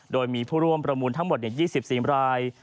โดยมีผู้ร่วมประมูลทั้งหมด๒๔ราย